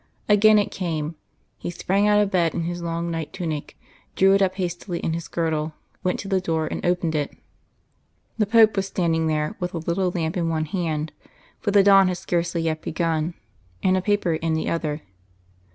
Again it came; he sprang out of bed in his long night tunic, drew it up hastily in his girdle, went to the door and opened it. The Pope was standing there, with a little lamp in one hand, for the dawn had scarcely yet begun, and a paper in the other.